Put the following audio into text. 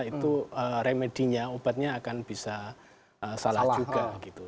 itu remedinya obatnya akan bisa salah juga